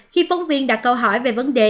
khi phóng viên đặt câu hỏi về vấn đề